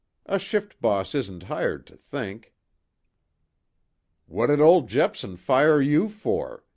A shift boss isn't hired to think." "What did old Jepson fire you for?